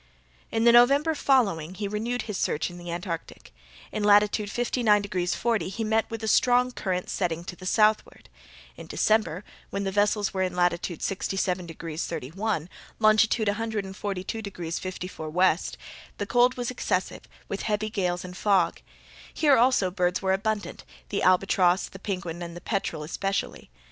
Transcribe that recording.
In the November following he renewed his search in the Antarctic. In latitude 59 degrees 40' he met with a strong current setting to the southward. In December, when the vessels were in latitude 67 degrees 31', longitude 142 degrees 54' W., the cold was excessive, with heavy gales and fog. Here also birds were abundant; the albatross, the penguin, and the peterel especially.